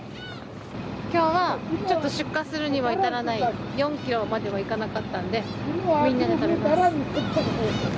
今日はちょっと出荷するには至らない４キロまではいかなかったのでみんなで食べます。